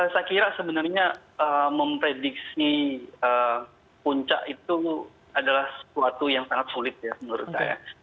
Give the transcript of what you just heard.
saya kira sebenarnya memprediksi puncak itu adalah sesuatu yang sangat sulit ya menurut saya